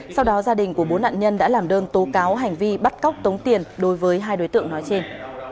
sau đó gia đình của bốn nạn nhân đã làm đơn tố cáo hành vi bắt cóc tống tiền đối với hai đối tượng nói trên